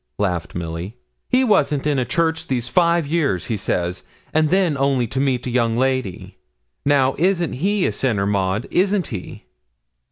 laughed Milly. 'He wasn't in a church these five years, he says, and then only to meet a young lady. Now, isn't he a sinner, Maud isn't he?'